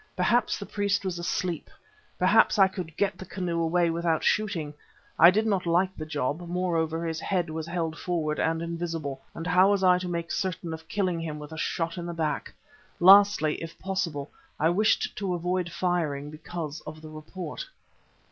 Perhaps the priest was asleep, perhaps I could get the canoe away without shooting. I did not like the job; moreover, his head was held forward and invisible, and how was I to make certain of killing him with a shot in the back? Lastly, if possible, I wished to avoid firing because of the report.